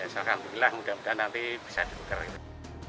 ya seolah olah mudah mudahan nanti bisa ditukar gitu